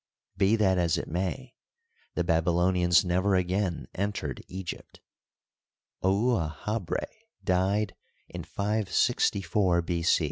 Be that as it may, the Baby lonians never again entered Egypt. Ouahabra died in 564 B.